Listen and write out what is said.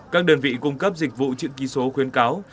các đơn vị cung cấp dịch vụ chữ ký số khuyến cáo